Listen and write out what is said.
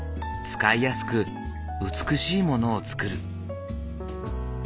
使いやすく美しいものを作る。